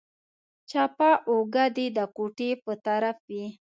چپه اوږه دې د کوټې په طرف وي.